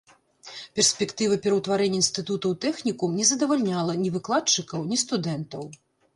Перспектыва пераўтварэння інстытута ў тэхнікум не задавальняла ні выкладчыкаў, ні студэнтаў.